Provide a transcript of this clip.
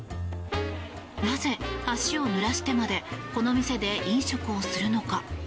なぜ足をぬらしてまでこの店で飲食をするのか。